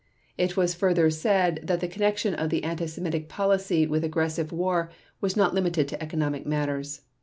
It was further said that the connection of the anti Semitic policy with aggressive war was not limited to economic matters.